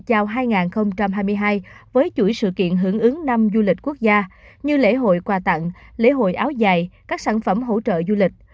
chào hai nghìn hai mươi hai với chuỗi sự kiện hưởng ứng năm du lịch quốc gia như lễ hội quà tặng lễ hội áo dài các sản phẩm hỗ trợ du lịch